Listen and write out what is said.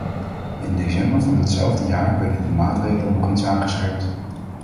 In december van datzelfde jaar werden die maatregelen nog iets aangescherpt.